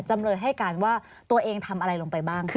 จำเลยให้การว่าตัวเองทำอะไรลงไปบ้าง